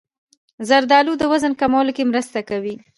زردالو د وزن کمولو کې مرسته کوي.